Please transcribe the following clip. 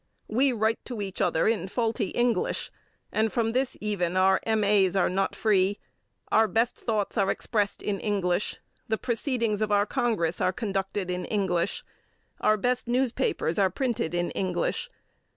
We write to each other in faulty English, and from this even, our M. A.'s are not free; our best thoughts are expressed in English; the proceedings of our Congress are conducted in English; our best newspapers are printed in English.